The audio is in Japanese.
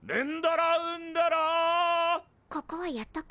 ここはやっとく？